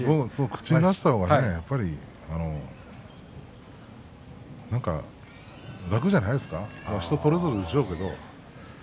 口に出した方が、やっぱりなんか楽じゃないですか人それぞれでしょうけど。